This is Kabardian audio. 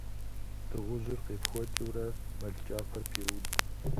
Дыгъужьыр къепхуэкӀыурэ мэл кӀапэр пеуд.